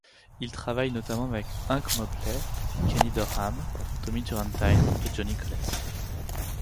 Il travaille notamment avec Hank Mobley, Kenny Dorham, Tommy Turrentine et Johnny Coles.